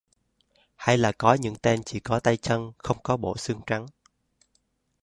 Hay là có những tên chỉ có tay chân không có bộ xương trắng